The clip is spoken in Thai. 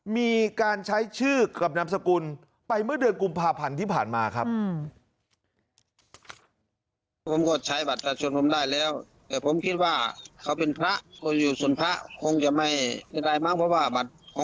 มีการใช้ชื่อกับนามสกุลไปเมื่อเดือนกุมภาพันธ์ที่ผ่านมาครับ